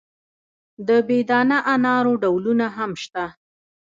د بې دانه انارو ډولونه هم شته.